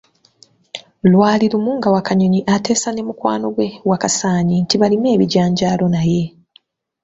Lwali lumu nga Wakanyoni ateesa ne mukwano gwe Wakasaanyi nti balime ebijanjaalo naye.